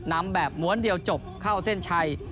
นำแบบม้วนเดียวจบเข้าเส้นชัย